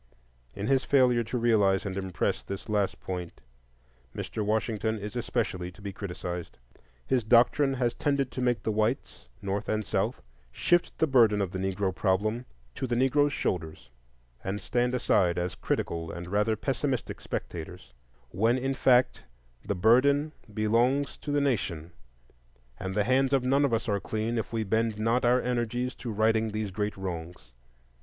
In his failure to realize and impress this last point, Mr. Washington is especially to be criticised. His doctrine has tended to make the whites, North and South, shift the burden of the Negro problem to the Negro's shoulders and stand aside as critical and rather pessimistic spectators; when in fact the burden belongs to the nation, and the hands of none of us are clean if we bend not our energies to righting these great wrongs.